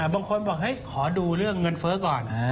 บางคนบอกขอดูเรื่องเงินเฟ้อก่อน